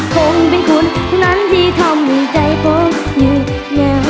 คงเป็นคุณเท่านั้นที่ทำให้ใจผมอยู่เหงา